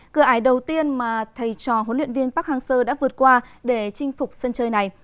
cửa ải đầu tiên mà thầy trò huấn luyện viên park hang seo đã vượt qua để chinh phục sân chơi này